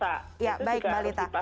ya baik mbak lita